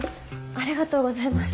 ありがとうございます。